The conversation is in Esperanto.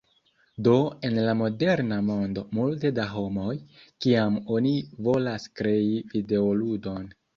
Do en la moderna mondo multe da homoj, kiam oni volas krei videoludon